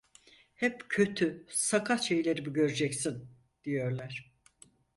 "Hep kötü, sakat şeyleri mi göreceksin?" diyorlar.